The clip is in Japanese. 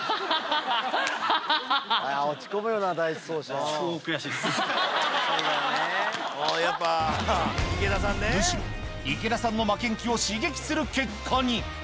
むしろ、池田さんの負けん気を刺激する結果に。